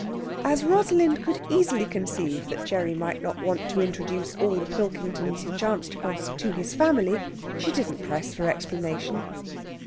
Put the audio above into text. As Rosalind could easily conceive that Gerry might not want to introduce all the Pilkingtons he chanced across to his family, she didn't press for explanation.